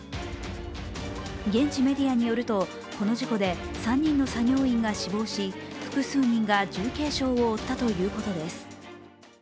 現地メディアによると、この事故で３人の作業員が死亡し、複数人が重軽傷を負ったということです。